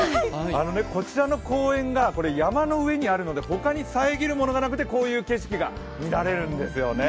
こちらの公園が山の上にあるので他に遮るものがなくて、こういう景色が見られるんですよね。